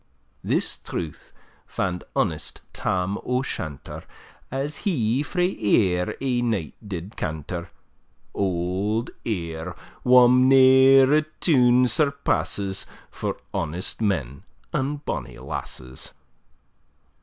This truth fand honest Tam o' Shanter, As he frae Ayr ae night did canter (Auld Ayr wham ne'er a town surpasses For honest men and bonny lasses).